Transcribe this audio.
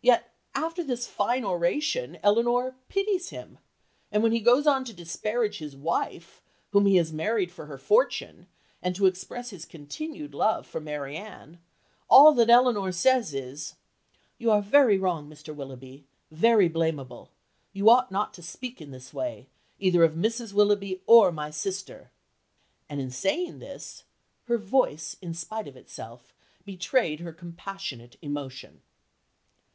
Yet after this fine oration Elinor "pities" him, and, when he goes on to disparage his wife, whom he has married for her fortune, and to express his continued love for Marianne, all that Elinor says is, "You are very wrong, Mr. Willoughby, very blamable, you ought not to speak in this way, either of Mrs. Willoughby or my sister," and in saying this "her voice, in spite of herself, betrayed her compassionate emotion."